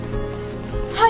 はい！